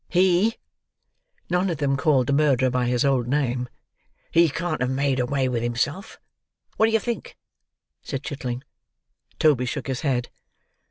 "He"—(none of them called the murderer by his old name)—"He can't have made away with himself. What do you think?" said Chitling. Toby shook his head.